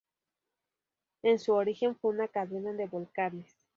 En su origen fue una cadena de volcanes.